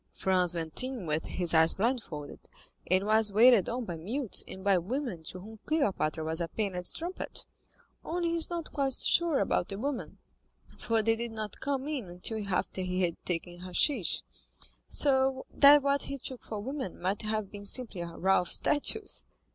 Franz went in with his eyes blindfolded, and was waited on by mutes and by women to whom Cleopatra was a painted strumpet. Only he is not quite sure about the women, for they did not come in until after he had taken hashish, so that what he took for women might have been simply a row of statues."